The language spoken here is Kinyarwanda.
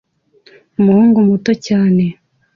Umuhungu muto cyane